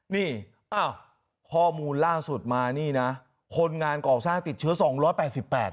นี่อ้าวข้อมูลล่าสุดมานี่นะคนงานกล่องสร้างติดเชื้อ๒๘๘นะ